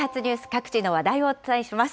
各地の話題をお伝えします。